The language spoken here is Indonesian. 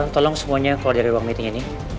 tolong semuanya keluar dari ruang meeting ini